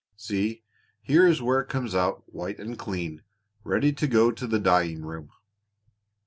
See, here is where it comes out white and clean, ready to go to the dyeing room."